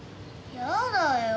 やだよ。